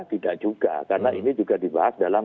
tidak juga karena ini juga dibahas dalam